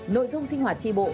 nội dung sinh hoạt tri bộ